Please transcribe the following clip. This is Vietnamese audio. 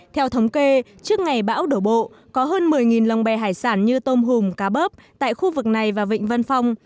theo thống kê trước ngày bão đổ bộ có hơn một mươi lồng bè hải sản như tôm hùm cá bớp tại khu vực này và vịnh vân phong